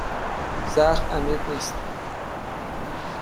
زخم عمیق نیست.